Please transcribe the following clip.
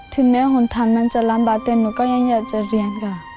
ถึงแม้หนทันมันจะลำบากแต่หนูก็ยังอยากจะเรียนค่ะ